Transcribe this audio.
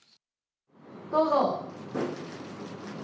どうぞ。